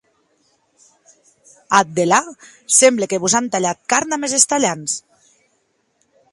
Ath delà, semble que vos an talhat carn damb es estalhants.